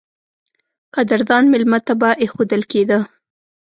قدردان مېلمه ته به اېښودل کېده.